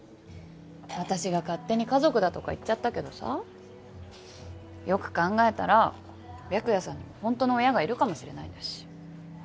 私が勝手に家族だとか言っちゃったけどさよく考えたら白夜さんにもほんとの親がいるかもしれないんだし。